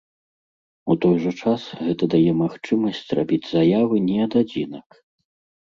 У той жа час гэта дае магчымасць рабіць заявы не ад адзінак.